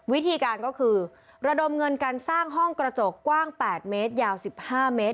วิธีการก็คือระดมเงินการสร้างห้องกระจกกว้าง๘เมตรยาว๑๕เมตร